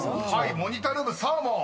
［モニタールーム「サーモン」